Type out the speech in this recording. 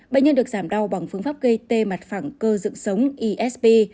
bệnh nhân được giảm đau bằng phương pháp gây tê mặt phẳng cơ dựng sống esp